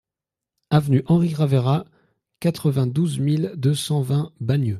Avenue Henri Ravera, quatre-vingt-douze mille deux cent vingt Bagneux